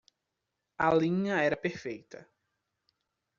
A linha era perfeita.